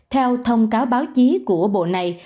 theo thông cáo báo chí của bộ này